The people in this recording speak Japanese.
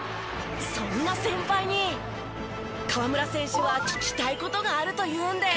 そんな先輩に河村選手は聞きたい事があるというんです。